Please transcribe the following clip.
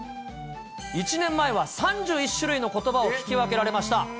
１年前は３１種類のことばを聞き分けられました。